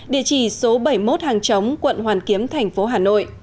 địa chỉ số bảy mươi một hàng chống quận hoàn kiếm tp hà nội